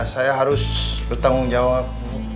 saya harus bertanggung jawab